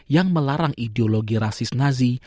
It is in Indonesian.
yang melarang ideologi rasis nazi